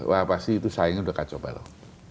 wah pasti itu sayangnya udah kacau balau